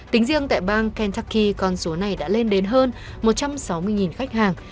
tính riêng tại bang kentucky con số này đã lên đến hơn một trăm sáu mươi khách hàng